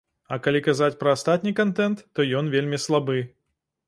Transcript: А калі казаць пра астатні кантэнт, то ён вельмі слабы.